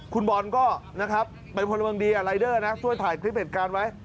คุณบอลก็นะครับเป็นพลเมืองดีรายเดอร์นะช่วยถ่ายคลิปเหตุการณ์ไว้